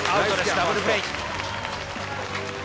ダブルプレー！